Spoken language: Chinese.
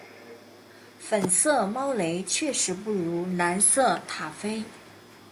粉色猫雷确实不如蓝色塔菲